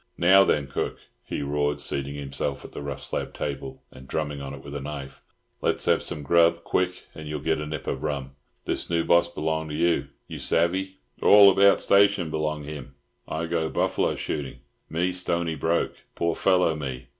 Now then, cook," he roared, seating himself at the rough slab table, and drumming on it with a knife, "let's have some grub, quick, and you'll get a nip of rum. This new boss b'long you, you savvy. All about station b'long him. I go buffalo shooting. Me stony broke. Poor fellow me!